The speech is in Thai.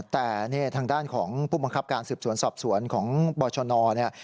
แต่เนี่ยทางด้านของผู้บังคับการสืบสวนสอบสวนของบชนเนี่ย